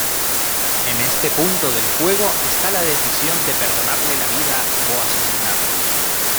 En este punto del juego está la decisión de perdonarle la vida o asesinarlo.